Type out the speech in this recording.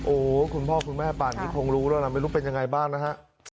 โอ้โหคุณพ่อคุณแม่ป่านนี้คงรู้แล้วนะไม่รู้เป็นยังไงบ้างนะฮะ